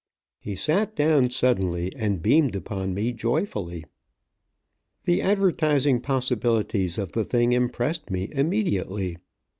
He sat down suddenly, and beamed upon me joyfully. The advertising possibilities of the thing impressed me immediately.